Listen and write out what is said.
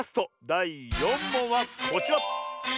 だい４もんはこちら！